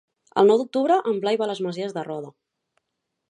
El nou d'octubre en Blai va a les Masies de Roda.